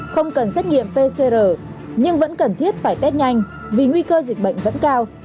không cần xét nghiệm pcr nhưng vẫn cần thiết phải test nhanh vì nguy cơ dịch bệnh vẫn cao